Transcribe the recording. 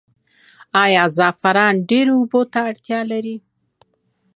آیا زعفران ډیرې اوبو ته اړتیا لري؟